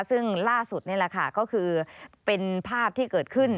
ซึ่งล่าสุดนี่แหละค่ะก็คือเป็นภาพที่เกิดขึ้น